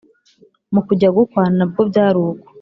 mu kujya gukwa na bwo byari uko